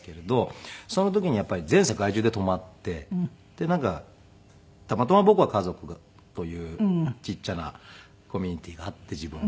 その時にやっぱり全世界中で止まってでなんかたまたま僕は家族というちっちゃなコミュニティーがあって自分の。